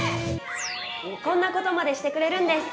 こんなことまでしてくれるんです！